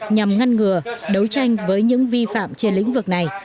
nhằm ngăn ngừa đấu tranh với những vi phạm trên lĩnh vực này